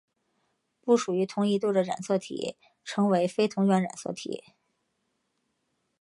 不属于同一对的染色体称为非同源染色体。